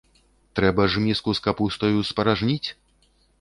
Трэба ж міску з капустаю спаражніць.